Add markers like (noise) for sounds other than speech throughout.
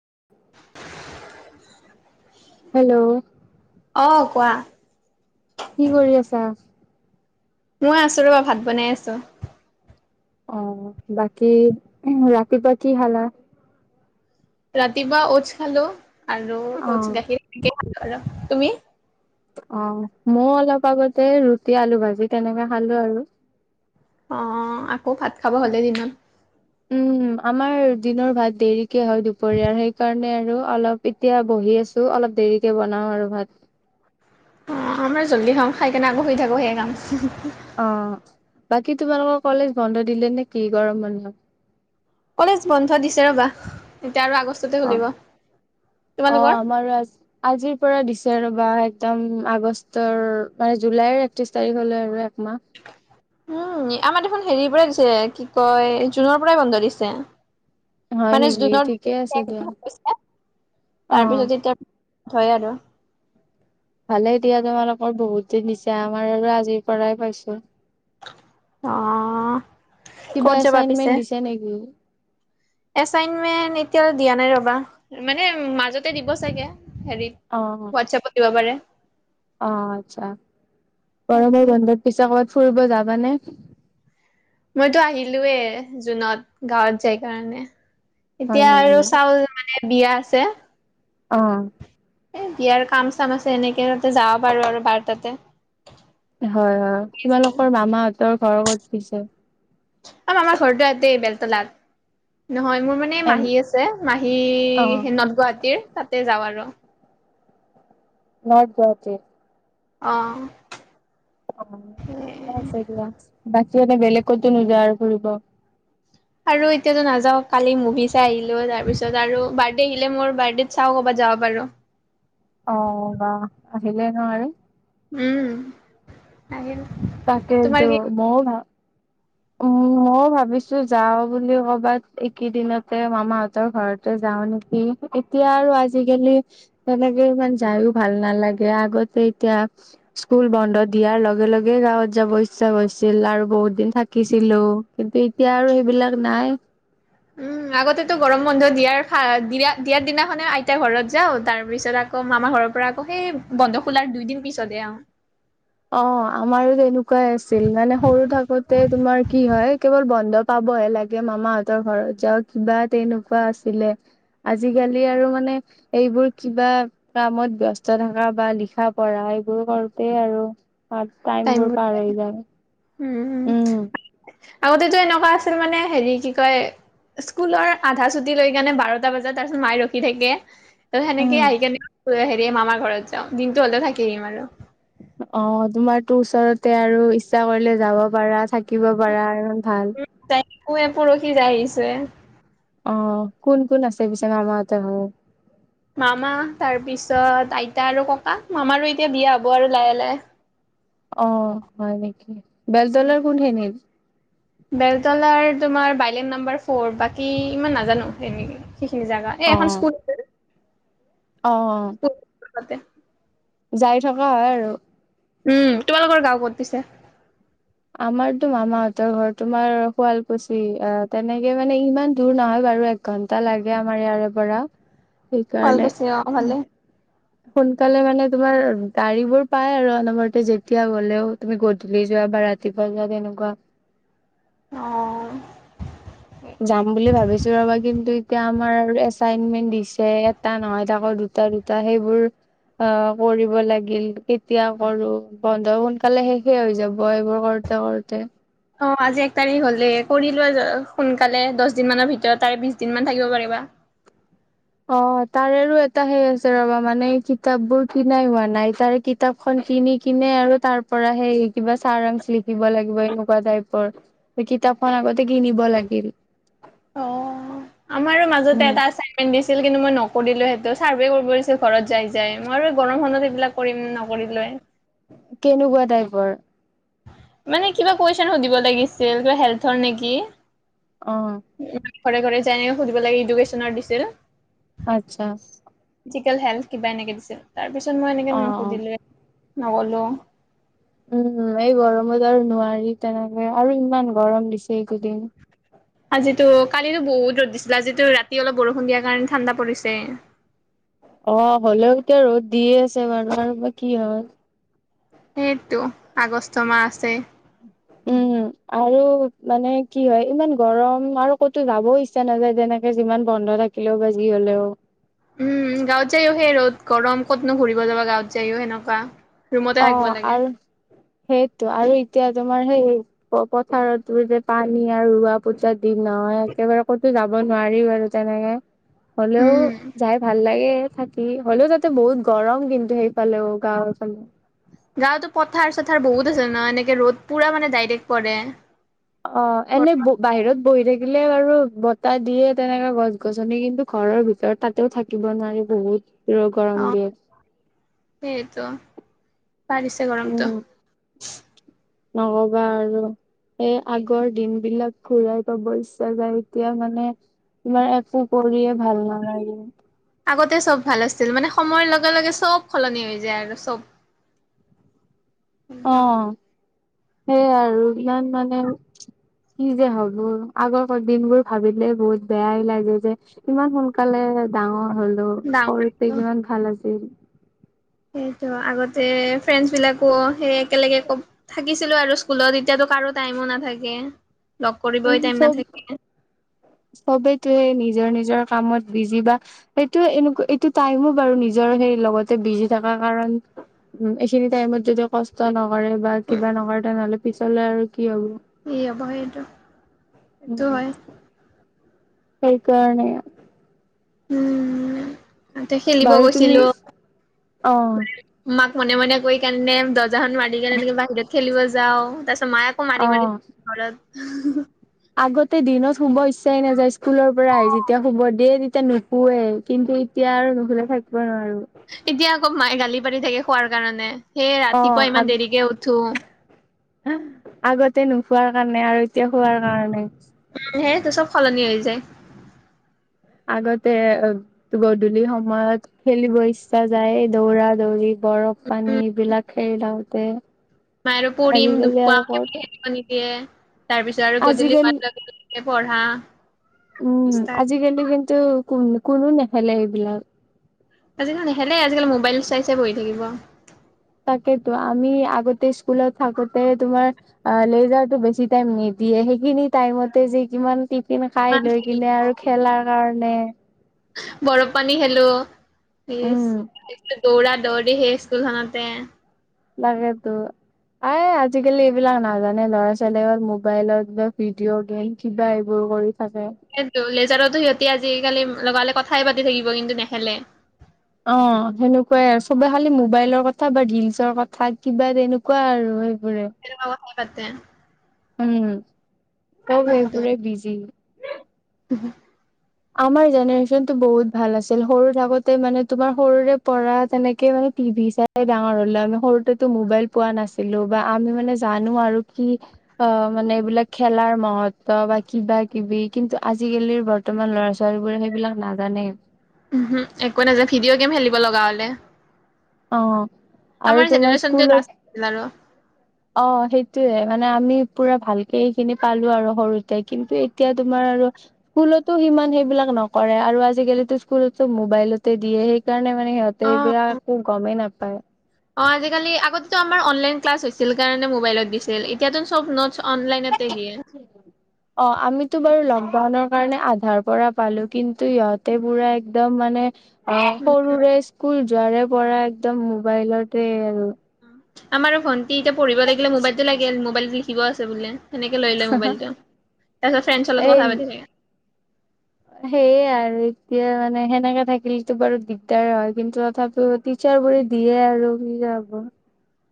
(unintelligible) Hello অঁ কোৱা? কি কৰি আছা? মই আছোঁ ৰ'বা ভাত বনাই আছো। (unintelligible) অ বাকী ৰাতিপুৱা কি খালা? ৰাতিপুৱা ঔচ খালো আৰু ঔচ অ' গাখীৰ খালো (unintelligible) আৰু তুমি? (unintelligible) অ মই অলপ আগতে ৰুটি আলু ভাজি তেনেকে খালো আৰু (unintelligible) অঁ আকৌ ভাত খাব হলেই দিনত (unintelligible) উম আমাৰ দিনৰ ভাত দেৰিকে হয় দুপৰীয়াৰ সেইকাৰণে আৰু (unintelligible) অলপ এতিয়া বহি আছো অলপ দেৰিকে বনাও আৰু ভাত। অ আম জল্দি খাম খাই কেনে আকৌ শুই থাকো সেই কাম (unintelligible) অঁ বাকী তোমালোকৰ কলেজ বন্ধ দিলে নেকি গৰম বন্ধ? (unintelligible) কলেজ বন্ধ দিছে ৰ'বা? (inaudible) আগষ্টতে অ খুলিব অঁ তোমালোকৰ আমাৰো আ (unintelligible) আজিৰ পৰা দিছে ৰ'বা (unintelligible) একদম আগষ্টৰ মানে জুলাইৰ একত্ৰিশ তাৰিখ হলে আৰু একমাহ (unintelligible) উম আমাৰ দেখোন হেৰিৰ পৰাই দিছে কি কয় জুনৰ পৰাই বন্ধ দিছে। হয় মানে নেকি জুনৰ ঠিকে আছে দিয়া। (unintelligible) অ তাৰপিছত এতিয়া হয় আৰু (unintelligible) ভালেই দিয়া তোমালোকৰ বহুত দিন দিছো আমাৰ আৰু আজিৰ পৰাই পাইছো। (unintelligible) অঁ (unintelligible) কিবা এছাইনমেন্ট দিছে নেকি? এচাইনমেন্ট এতিয়ালৈ দিয়া নাই ৰবা মানে মাজতে দিব চাগে? (unintelligible) হেৰিত অ হোৱাটছএপত দিব পাৰে? (unintelligible) অ আচ্ছা (unintelligible) গৰমৰ বাকী মই বন্ধত পিছে কত? ফুৰিব যাবানে? মইতো আহিলোয়ে জুনত গাঁৱত যাই কাৰণে হয় এতিয়া নেকি আৰু চাউল মানে বিয়া আছে। আহ! (unintelligible) এই বিয়াৰ কাম-চাম আছে এনেকে তাতে যাব পাৰো আৰু বাৰ তাতে হয়-হয় তোমালোকৰ মামাহঁতৰ ঘৰ ক'ত পিছে? (unintelligible) মামাৰ ঘৰটো এয়াতে বেলতলাত নহয় মোৰ মানে এন মাহী আছে মাহী অ নৰ্থ গুৱাহাটীৰ তাতে যাওঁ আৰু নৰ্থ অ গুৱাহাটীৰ (inaudible) (unintelligible) নে বেলেগতো নোযোৱা আৰু ফুৰিব। আৰু এতিয়াতো নাযাও কালি মুভি চাই আহিলো তাৰপিছত আৰু বাৰ্থডে আহিলে মোৰ বাৰ্থড চাওঁ কৰ'বাত। যাও বাৰু অ বা আহিলে ন আৰু উম আহিবি। তাকে টো মও ভা উম মই ভাবিছো যাও বুলি ক'বাত এইকেইদিনতে মামাহতৰ ঘৰতে যাও নেকি? অ এতিয়া আৰু আজিকালি তেনেকে ইমান যায়ও ভাল নালাগে আগতে এতিয়া। স্কুল বন্ধ দিয়াৰ লগে লগে গাঁৱত যাব ইচ্ছা হৈছিল আৰু বহুত দিন থাক। শিকিছিলো কিন্তু এতিয়া আৰু সেইবিলাক নাই। উম আগতেতো গৰম বন্ধ দিয়া দিয়া দিয়াৰ দিনাখনে আইতাৰ ঘৰত যাও তাৰ পিছত আকৌ মামাৰ ঘৰৰ পৰা আকৌ বন্ধ খোলাৰ দুই দিন পিছতে আৰু (unintelligible) অ আমাৰো তেনেকুৱাই আছিল মানে সৰু থাকোতে তোমাৰ কি হয় কেৱল বন্ধ পাব। বয়ে লাগে মামাহঁতৰ ঘৰত যাও কিবা তেনেকুৱা আছিলে। আজিকালি আৰু মানে এইবোৰ কিবা কামত ব্যস্ত থকা বা লিখা পঢ়া এইবোৰ কৰোতেই আৰু আ টাইম বোৰ টাইমবোৰ পাৰ হৈ যায়। উম হম উম আগতেতো এনেকুৱা আছিল মানে হেৰি কি কয়? স্কুলৰ আধা ছুটি লৈ কাৰণে বাৰটা বজাত তাৰপিছত মায়ে ৰখি থাকে। সেনেকে আহি কেনে হেৰি মামাৰ ঘৰত যাওঁ দিনটো হ'লে থাকি দিম আৰু অ তোমাৰ তো ওচৰতে আৰু ইচ্ছা কৰিলে যাব পাৰা থাকিব পাৰা আৰু ভাল একৌ পৰখি যাই আহিছে হে। অ কোন কোন আছে পিছে মামা হতৰ ঘৰত। মামা তাৰপিছত আইতা আৰু ককা মামাৰো এতিয়া বিয়া হ'ব আৰু লাহে লাহে। অ হয় নেকি? উম বেলতলাৰ কোনখিনিত! বেলতলাৰ তোমাৰ বাইলেন নাম্বাৰ ফ'ৰ বাকী ইমান নাজানো সেনেকে! সেইখিনি জেগা এই এখন অ স্কুল। অ তাতে যাই থকা হয় আৰু উম তোমালোকৰ গাঁও ক'ত পিছে? আমাৰতো মামাহতৰ ঘৰ তোমাৰ শুৱালকুছি অ তেনেকে মানে ইমান দূৰ নহয় বাৰু এক ঘণ্টা লাগে আমাৰ ইয়াৰে পৰা সেইকাৰণে। শুৱালকুছি অ উম ভালে সোনকালে মানে তোমাৰ গাড়ী বোৰ পাই আৰু অনবৰতে যেতিয়া গলেও তুমি গধূলি যোৱা বাৰ। ৰাতিপুৱা যা তেনেকুৱা। অহ। যাম বুলি ভাবিছো ৰবা কিন্তু এতিয়া আমাৰ আৰু এচাইনমেন্ট দিছে এটা নহয় তাকৰ দুটা। দুটা দুটা সেইবোৰ। অ কৰিব লাগিল কেতিয়া কৰো বন্ধ সোনকালে শেষে হৈ যাব এইবোৰ কৰ টো কৰোতে। অ আজি এক তাৰিখ হলে কৰিলো সোনকালে দহ দিন মানৰ ভিতৰত তাৰে বিশ দিন মান থাকিব পাৰিবা। অ তাৰে এটা সেই আছে ৰবা মানে কিতাপ বোৰ কিনাই হোৱা নাই তাৰ কিতাপ খন। কিনি কিনে আৰু তাৰ পৰা সেই কিবা চাহ ৰং লিখিব লাগিব এনেকুৱা টাইপৰ। কিতাপখন আগতে কিনিব লাগিল। অ আমাৰো মাজতে উম এটা আচাইনমেন্ট দিছে। কিন্তু মই নকৰিলো সেইটো চাৰ্ভে কৰিবছিল ঘৰত যাই যাই মই গৰমখনত এইবিলাক কৰিম নকৰিলোৱে। কেনেকুৱা টাইপৰ। মানে কিবা কুৱেশচন সুধিব লাগিছিল কিবা হেল্থৰ নেকি? অ ঘৰে ঘৰে যেনেকৈ সুধিব লাগে ইডুকেশ্যনৰ দিছিল। আচ্ছা। ফিজেল হেল কিবা এনেকে দিছিল তাৰ পিছত মই এনেকে অ অ নুসুধিলো নগলো। উম এই গৰমত আৰু নোৱাৰি তেনেকে আৰু ইমান গৰম দিছে এইকেইদিন আজিতো কালিতো বহুত ৰ'দ দিছিলে আজিতো ৰাতি অলপ বৰষুণ দিয়াৰ কাৰণে ঠাণ্ডা পৰিছে। অ হ'লেও এতিয়া ৰ'দ দিয়ে আছে বাৰু বা কি হয় সেইটো আগষ্ট মাহ আছে। উম আৰু মানে কি হয় ইমান গৰম আৰু ক'তো যাব ইচ্ছা নাযায় যেনেকে যিমান বন্ধ। ৰাখিলেও বা যি হলেও। উম গাঁৱত যায়ো সেই ৰ'দ গৰম ক'তনো ঘূৰিব যাবা গাঁৱত যায়ো সেনেকুৱা ৰুমতে অ থাকিব লাগে। আৰু সেই ত আৰু এতিয়া তোমাৰ সেই পথাৰতো যে পানী আৰু ৰোৱা পোচা দিন নহয়। একেবাৰে ক'তো যাব নোৱাৰি আৰু তেনেকে হলেও উম, যাই ভাল লাগে। কি হ'লেও তাতে বহুত গৰম কিন্তু সেই ফালেও গাওফালে গাঁৱতো পথাৰ চথাৰ বহুত আছে ন এনেকে ৰ'দ পুৰা মানে ডাইৰেক্ট পৰে। অ এনে বাহিৰত বহি থাকিলে বাৰু বতাহ দিয়ে তেনেককাে গছ গছনি কিন্তু ঘৰৰ ভিতৰত তাতেও থাকিব নোৱাৰিব। বহুত ৰ গৰম অ', দিয়ে সেইটো বাঢ়িছে গৰমটো। উম নকবা আৰু এ আগৰ দিন বিলাক ঘূৰাই পাব ইচ্ছা যায় এতিয়া মানে। তোমাৰ একো কৰিয়ে ভাল নালাগে আগতে চব ভাল আছিল মানে সময়ৰ লগে লগে চব সলনি হৈ যায় আৰু চব অ একদম। সেইয়াই আৰু ইয়াত মানে কি যে হলো আগৰ দিন বোৰ ভাবিলে বহুত বেয়াই লাগে যে ইমান সোনকালে। ডাঙৰ হলো সৰুতে ডাঙৰ কিমান ভাল আছিল। সেইটো আগতে ফ্ৰেণ্ডছ বিলাকো সেই একেলগে ক থাকিছে। ছিলো আৰু স্কুলত এতিয়াতো কাৰো টাইমো নাথাকে লগ কৰিবই টাইম নাথাকে। সবেই তে নিজৰ নিজৰ কামত বিজি বা সেইটো এনেকা এইটো টাইমো বাৰু নি নিজৰ হেৰি লগতে মিলি থকা কাৰণে এইখিনিতে টাইমত কষ্ট কৰে বা কিবা নকৰে তেনেহলে পিছলে আৰু কি হ'ব কি হব সেইটো সেইটো উম হয়। সেইকাৰণে উম তাতে খেলিব বাৰু তুমি গৈছিলো অ মাক মনে মনে কৰি কেনে দৰ্জাখন মাৰি কেনে এনেকে বাহিৰত খেলিব যাওঁ তাৰপাছত মায়ে ক অ মাৰি মাৰি ঘৰত আগতে দিনত শুব ইচ্ছাই নেযায় স্কুলৰ পৰা আহি যেতিয়া শুব দিয়ে। তে তিয়া নোশুৱে কিন্তু এতিয়া আৰু নোশুলে থাকিব নোৱাৰোঁ। এতিয়া আকৌ মায়ে গালি পাৰি থাকে শুৱাৰ কাৰণে সেয়ে অ ৰাতিপুৱা আগ ইমান দেৰিকে উঠো আগতে নোখোৱাৰ কাৰণে আৰু এতিয়া খোৱাৰ কাৰণে সে তো চব সলনি হৈ যায়। আগতে গধূলি সময়ত খেলিব ইচ্ছা যায় দৌৰা দৌৰি বৰফ পানী এইবিলাক খেলি থাকোতে মই আৰু পৰিম দুখ আজিকালি আৰু পাম ক'ত সেইবোলি খেলিব নিদিয়ে তাৰ পিছত আৰু গধূলি আজিকালি পা পঢ়া উম ষ্টাৰ্ট। আজিকালি কিন্তু কো কোনো নেখেলে সেইবিলাক। আজিকালি নেখেলে আজিকালি মোবাইল চাই চাই বহি থাকিব তাকেতো আমি আগতে স্কুলত থাকোতে তোমাৰ লেজাৰটো বেছি টাইম নিদিয়ে সেই খিনি টাইমতে যে কিমান টিফিন খাই ইমান লৈ খেলিব কিনে আৰু খেলাৰ কাৰণে বৰফ পানী খেলো উম দৌৰা দৌৰি সেই স্কুলখনতে লাগেটো এ আজিকালি এইবিলাক নাজানে ল'ৰা ছোৱালীয়ে অকল মোবাইলত বা ভিডিঅ' গেম কিবা এইবোৰ কৰি থাকে। সেইটো লেজাৰতো সিহঁতি আজিকালি লগালে কথাই পাতি থাকিব কিন্তু নেখেলে অ সেনেকুৱাই আৰু চবে খালি মোবাইলৰ কথা বা ৰিলচৰ কথা কিবা তেনেকুৱা আৰু সেইবোৰে তেনেকুৱা কথাই পাতে উম চব সেইবোৰে বিজি উমহো আমাৰ জেনেৰেচনটো বহুত ভাল আছিল সৰু থাকোতে মানে তোমাৰ সৰুৰে পৰা তেনেকে মানে টিভি চাই ডাঙৰ হ'লো আমি সৰুতেতো মোবাইল পোৱা নাছিলো বা আমি মানে জানো আৰু কি অ মানে এইবিলাক খেলাৰ মহত্ব বা কিবা কিবি কিন্তু আজিকালিৰ ব তোমাৰ ল'ৰা ছোৱালী বোৰে সেইবিলাক নাজানে উহো একো নাযায় ভিডিঅ' গেম খেলিব হ'লে অ আৰু আমাৰ তোমাৰ জেনেৰেচনটোৱে স্কুলত লাষ্ট আছিল আৰু অ সেইটোৱে মানে আমি পুৰা ভালকে এইখিনি পালো আৰু সৰুতে কিন্তু এতিয়া তোমাৰ আৰু স্কুলটো সিমান সেইবিলাক নকৰে আৰু আজিকালিটো স্কুল চব মোবাইলতে দিয়ে সেইকাৰণে মানে সিহঁতে অ এইবিলাক একো গমে নেপায় অ আজিকালি আগতেটো আমাৰ অনলাইন ক্লাছ হৈছিল কাৰণে মোবাইলত দিছিল এতিয়াতো চব নোট অনলাইনতে দিয়ে অ আমিতো বাৰু লকডাউনৰ কাৰণে আধাৰ পৰা পালো কিন্তু সিহঁতে পুৰা একদম মানে অ উম, সৰুৰে স্কুল যোৱাৰে পৰা একদম মোবাইলতে আৰু আমাৰো ভণ্টি এতিয়া পঢ়িব লাগিলে মোবাইলটো লাগে মোবাইলটো লিখিব আছে বোলে সেনেকে লৈ লয় মোবাইলটো তাৰ পিছত ফ্ৰেণ্ডছৰ লগত এই কথা পাতি থাকে সেয়ে আৰু এতিয়া মানে সেনেকে থাকিলেটো বাৰু দিগদাৰে হয় কিন্তু তথাপিও টিচাৰ বোৰে দিয়ে আৰু দিয়াব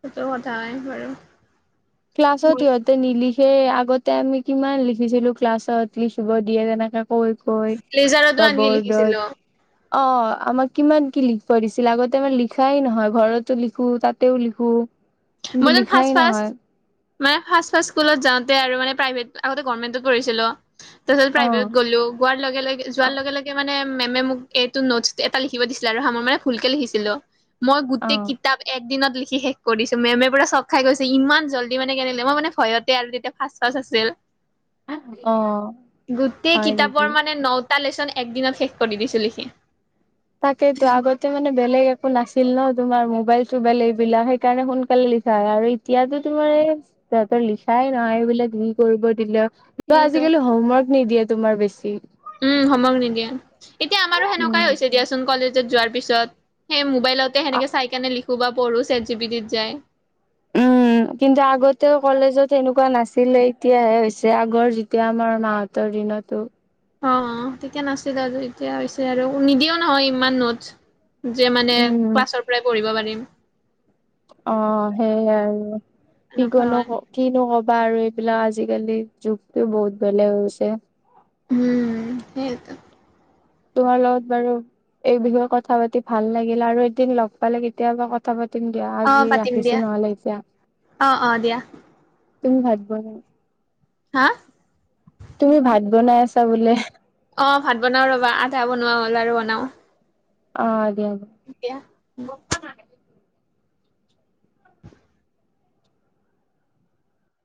সেইটো কথা হয় বাৰু ক্লাছত সিহঁতে নিলিখে খে আগতে আমি কিমান লিখিছিলো ক্লাছত লিখিব দিয়ে তেনেকা কৈ কৈ লেজাৰতো বা আনকি বৰ্ডত লিখিছিলো অ আমাক কিমান কি লিখিব দিছিলে আগতে আমাৰ লিখাই নহয় ঘৰতো লিখো তাতেও লিখো কিন্তু মইতো ফাৰ্ষ্ট লিখায়ে ফাৰ্ষ্ট নহয় মানে ফাৰ্ষ্ট ফাৰ্ষ্ট স্কুলত যাওঁতে আৰু মই প্ৰাইভেট আগতে গৰ্মেণ্টত পঢ়িছিলোঁ তাৰপিছত অ প্ৰাইভেত গ'লো গোৱাৰ লগে লগে অ যোৱাৰ লগে লগে মানে মেমে মোক এইটো নটছ এটা লিখিব দিছিলে হা মই মানে ভুলকে লিখিছিলোঁ মই অ গোটেই কিতাপ এক দিনত লিখি শেষ কৰিছো মেমে পুৰা চক খাই গৈছে ইমান জল্দি মানে কেনেকে মই মানে ভয়তে তেতিয়া ফাষ্ট -ফাষ্ট আছিল অ গোটেই হয় নেকি কিতাপৰ মানে নটা লেচন একদিনত শেষ কৰি দিছো লিখি। তাকেইটো আগতে মানে বেলেগ একো নাছিল ন'তোমাৰ মোবাইল -চোবাইল এইবিলাক সেইকাৰণে সোনকালে লিখা হয় আৰু এতিয়াতো তোমাৰ এই তহঁতৰ লিখাই নহয় এইবিলাক যি কৰিব দিলেও আৰু সেইটো আজিকালি হোমৱৰ্ক নিদিয়ে তোমাৰ বেছি উম, হোমৱৰ্ক নিদিয়ে এতিয়া আমাৰো সেনেকুৱাই উম হৈছে দিয়াচোন কলেজত যোৱাৰ পিছত সেই মোবাইলতে সেনেকে চাই কেনে লিখো বা পঢ়ো চেট জি পিটিত যায়। উম কিন্তু আগতেও কলেজত সেনেকুৱা নাছিলে, এতিয়াহে হৈছে আগৰ যেতিয়া আমাৰ মাহতৰ দিনটো অহ - অহ তেতিয়া নাছিল আৰুএতিয়া হৈছে আৰু নিদিয়েও নহয় ইমান নোটচ যে মানে উম ক্লাছৰ পৰাই পঢ়িব পাৰিম। অহ, সেইয়াই আৰু কি এনেকুৱা কনো হয় - কিনো কবি বাৰু এইবিলাক আজিকালি যুগটো বহুত বেলেগ হৈছে। উম, সেয়েটো। তোমাৰ লগত বাৰু এই বিষয়ে কথা -পাতি ভাল লাগিল। আৰু একদিন লগ পালে কেতিয়াবা কথা পাতি পাতিম দিয়া অ আজি পাতিম ৰাখিছো দিয়া নহলে এতিয়া। অ অ দিয়া তুমি ভাত বনোৱা, হা তুমি ভাত বনাই আছা বোলে অহ, ভাত বনাওঁ ৰবা আধা বনোৱা হ'ল আৰু বনাওঁ। অহ, দিয়া।